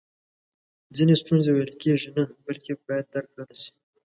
ځینې ستونزی ویل کیږي نه بلکې باید درک کړل سي